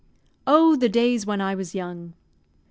OH, THE DAYS WHEN I WAS YOUNG!